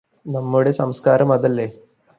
നമ്മുടെ സംസ്ക്കാരം അതല്ലേ